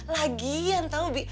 lagian tau bi